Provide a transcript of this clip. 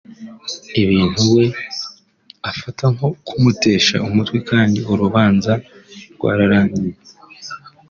ibintu we afata nko kumutesha umutwe kandi urubanza rwararangiye